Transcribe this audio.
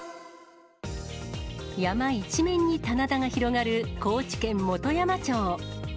山一面に棚田が広がる高知県本山町。